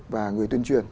và người tuyên truyền